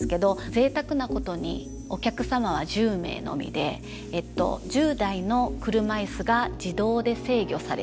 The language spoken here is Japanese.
ぜいたくなことにお客様は１０名のみで１０台の車椅子が自動で制御されている。